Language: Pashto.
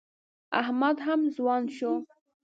احمد هم ځوان شو.